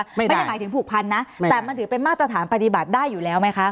ไม่ได้หมายถึงผูกพันนะแต่มันถือเป็นมาตรฐานปฏิบัติได้อยู่แล้วไหมคะ